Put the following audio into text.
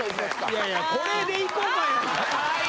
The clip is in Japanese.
いやいやこれでいこかやない。